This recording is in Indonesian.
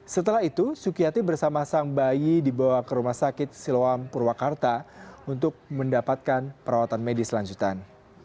setelah itu sukiyati bersama sang bayi dibawa ke rumah sakit siloam purwakarta untuk mendapatkan perawatan medis lanjutan